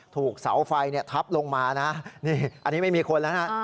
ถูกเสาไฟทับลงมานะนี่อันนี้ไม่มีคนแล้วนะ